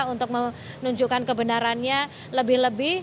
untuk menunjukkan kebenarannya lebih lebih